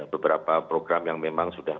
beberapa program yang memang sudah